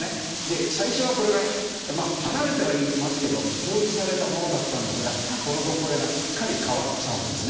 最初は、離れてはいますけど統一されたものだったんですがその後、これがすっかり変わっちゃうんです。